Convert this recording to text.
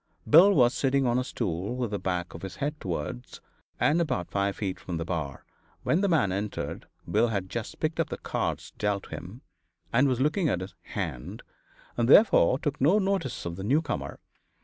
Bill was sitting on a stool with the back of his head towards and about five feet from the bar. When the man entered, Bill had just picked up the cards dealt him, and was looking at his "hand," and therefore took no notice of the newcomer.